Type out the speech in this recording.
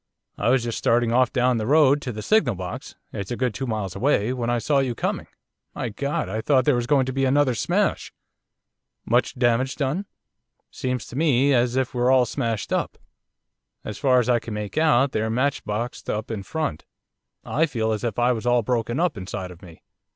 I was just starting off down the road to the signal box, it's a good two miles away, when I saw you coming. My God! I thought there was going to be another smash.' 'Much damage done?' 'Seems to me as if we're all smashed up. As far as I can make out they're matchboxed up in front. I feel as if I was all broken up inside of me.